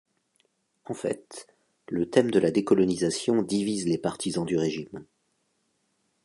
En fait, le thème de la décolonisation divise les partisans du régime.